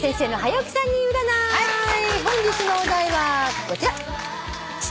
本日のお題はこちら。